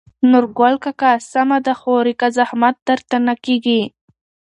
نورګل کاکا: سمه ده خورې که زحمت درته نه کېږي.